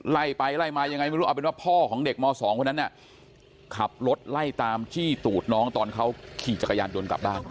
ไล่ไปไล่มายังไงไม่รู้เอาเป็นว่าพ่อของเด็กม๒คนนั้นน่ะขับรถไล่ตามจี้ตูดน้องตอนเขาขี่จักรยานยนต์กลับบ้าน